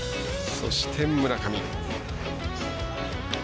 そして、村上。